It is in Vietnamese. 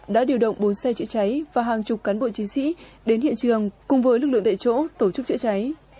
đã điều động bốn xe chữa cháy và hàng chục cán bộ chiến sĩ đến hiện trường cùng với lực lượng tại chỗ tổ chức chữa cháy